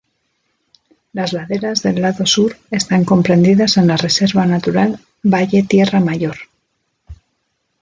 Las laderas del lado sur están comprendidas en la reserva natural Valle Tierra Mayor.